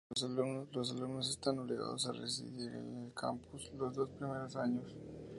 Los alumnos están obligados a residir en el campus los dos primeros años.